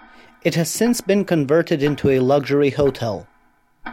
It has since been converted into a luxury hotel.